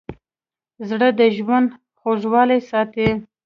زړه د ژوند خوږوالی ساتي.